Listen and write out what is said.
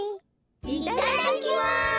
いただきます。